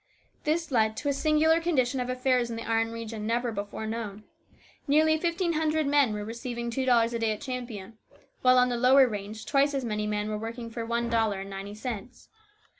This led to a singular condition of affairs in the iron region, never before known. Nearly fifteen hundred men were receiving two dollars a day at Champion, while on the lower range twice as many men were working for one dollar and ninety cents.